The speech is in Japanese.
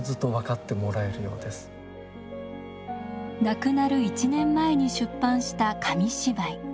亡くなる１年前に出版した紙芝居。